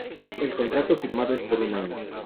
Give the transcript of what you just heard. El contrato firmado es por un año.